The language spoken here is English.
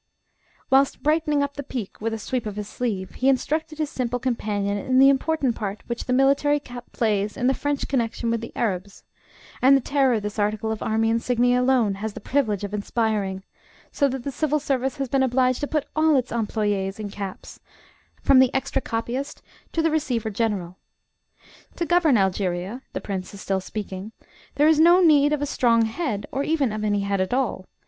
Whilst brightening up the peak with a sweep of his sleeve, he instructed his simple companion in the important part which the military cap plays in the French connection with the Arabs, and the terror this article of army insignia alone has the privilege of inspiring, so that the Civil Service has been obliged to put all its employees in caps, from the extra copyist to the receiver general. To govern Algeria (the prince is still speaking) there is no need of a strong head, or even of any head at all.